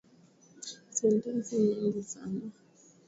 Sentensi nyingi sana